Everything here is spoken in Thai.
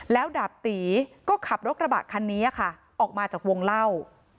แล้วดาบตีก็ขับรถกระบะคันนี้ค่ะออกมาจากวงเล่า